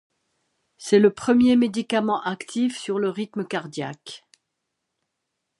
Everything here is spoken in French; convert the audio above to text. C'est le premier médicament actif sur le rythme cardiaque.